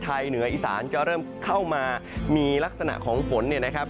เหนืออีสานจะเริ่มเข้ามามีลักษณะของฝนเนี่ยนะครับ